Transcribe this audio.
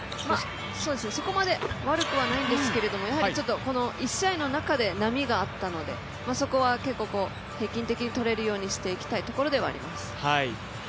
そこまで悪くはないんですが１試合の中で波があったので、そこは結構平均的に取れるようにしていきたいところではあります。